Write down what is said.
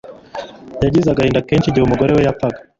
Yagize agahinda kenshi igihe umugore we yapfaga